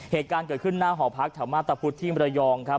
เหตุการณ์เกิดขึ้นหน้าหอพักแถวมาตะพุทธที่มรยองครับ